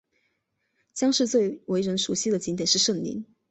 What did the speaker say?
姜市最为人熟悉的景点是圣陵。